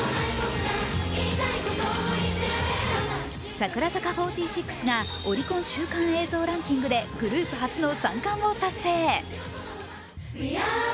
櫻坂４６がオリコン週間映像ランキングでグループ初の３冠を達成。